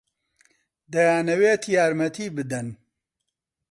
دەیانەوێت یارمەتی بدەن.